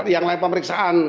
yang lain pemeriksaan